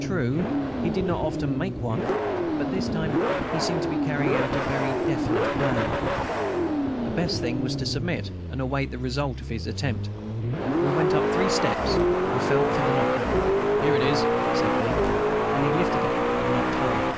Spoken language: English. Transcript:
True, he did not often make one, but this time he seemed to be carrying out a very definite plan. The best thing was to submit, and await the result of his attempt. We went up three steps, and felt for the knocker. "Here it is," said B., and he lifted it and knocked hard.